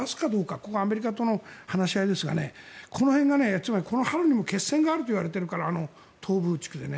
ここはアメリカとの話し合いですがこの辺が、この春にも決戦があるといわれているから東部地区でね。